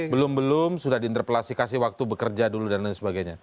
belum belum sudah diinterpelasi kasih waktu bekerja dulu dan lain sebagainya